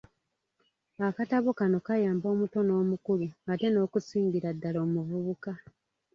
Akatabo kano kayamba omuto n’omukulu ate n’okusingira ddala omuvubuka.